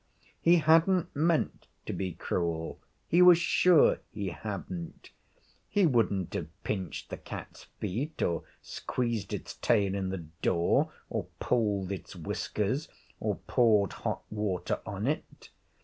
He hadn't meant to be cruel; he was sure he hadn't; he wouldn't have pinched the cat's feet or squeezed its tail in the door, or pulled its whiskers, or poured hot water on it.